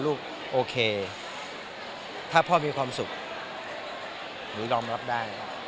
โอเคถ้าพ่อมีความสุขหนูยอมรับได้